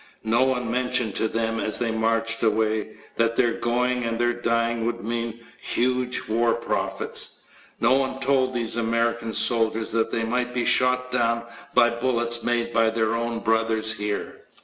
No one mentioned to them, as they marched away, that their going and their dying would mean huge war profits. No one told these American soldiers that they might be shot down by bullets made by their own brothers here.